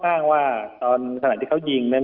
อ้างว่าตอนสำหรับที่เขายิง